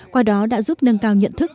qua đó đã giúp nâng cao nhận thức